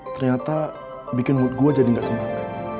ternyata bikin mood gue jadi gak semangat